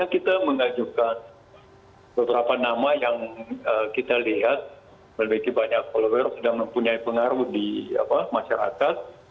kita lihat berarti banyak follower sedang mempunyai pengaruh di masyarakat